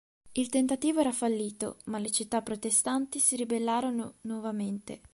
Il tentativo era fallito, ma le città protestanti si ribellarono nuovamente.